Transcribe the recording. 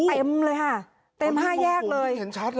เต็มเลยค่ะเต็มห้าแยกเลย